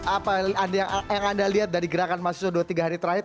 apa yang anda lihat dari gerakan mahasiswa dua tiga hari terakhir